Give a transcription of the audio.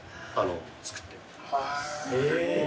へえ。